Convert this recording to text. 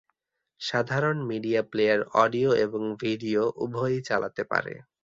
সাধারণ media player audio এবং video উভয়ই চালাতে পারে।